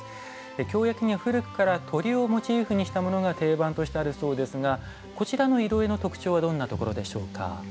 京焼には古くから鳥をモチーフにしたものが定番としてあるそうですがこちらの色絵の特徴はどんなところでしょうか？